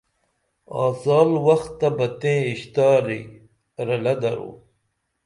آڅال وخ تہ بہ تائیں اشتاری رلہ درو